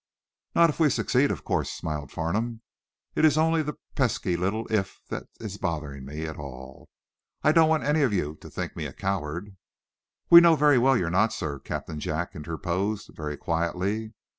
"Not if we succeed, of course," smiled Farnum. "It's only the pesky little 'if' that's bothering me at all. I don't want any of you to think me a coward " "We know, very well, you're not, sir," Captain Jack interposed, very quietly.